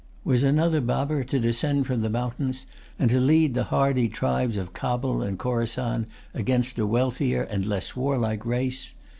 Was another Baber to descend from the mountains, and to lead the hardy tribes of Cabul and Chorasan against a wealthier and less warlike race?